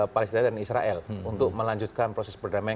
palestina dan israel untuk melanjutkan proses perdamaian